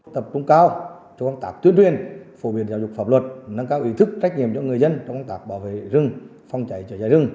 tập công cao cho công tác tuyên truyền phổ biến giáo dục pháp luật nâng cao ý thức trách nhiệm cho người dân trong công tác bảo vệ rừng phong chảy chở dài rừng